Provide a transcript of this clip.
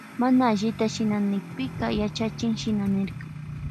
Mana allita shinanpika yachachin shinin karka.